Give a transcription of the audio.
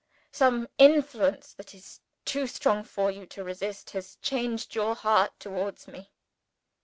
Some influence that is too strong for you to resist has changed your heart towards me.